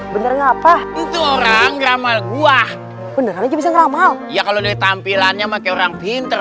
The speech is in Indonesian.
bener ngapa itu orang ramal gua beneran bisa ngamal ya kalau ditampilannya maka orang pinter